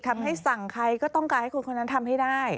ให้สั่งใครก็ต้องการให้คนคนนั้นทำให้ได้